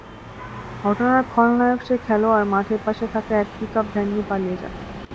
ঘটনার খলনায়ক সেই খেলোয়াড় মাঠের পাশে থাকা একটি পিকআপ ভ্যান নিয়ে পালিয়ে যান।